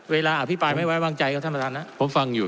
อภิปรายไม่ไว้วางใจครับท่านประธานผมฟังอยู่